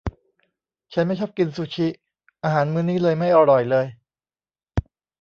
ฉันไม่ชอบกินซูชิ อาหารมื้อนี้เลยไม่อร่อยเลย